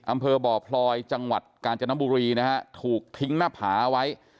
อำเภอบ่อพลอยจังหวัดกาญจนบุรีนะฮะถูกทิ้งหน้าผาเอาไว้